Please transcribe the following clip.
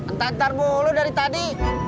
ntar ntar bolu dari tadi